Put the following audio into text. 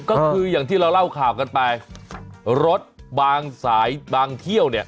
ก็คืออย่างที่เราเล่าข่าวกันไปรถบางสายบางเที่ยวเนี่ย